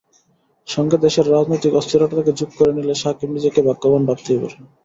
সঙ্গে দেশের রাজনৈতিক অস্থিরতাটাকে যোগ করে নিলে সাকিব নিজেকে ভাগ্যবান ভাবতেই পারেন।